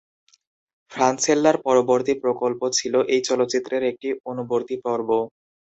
ফ্রান্সেল্লার পরবর্তী প্রকল্প ছিল এই চলচ্চিত্রের একটি অনুবর্তী পর্ব।